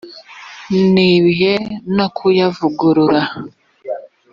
n ibihe no kuyavugurura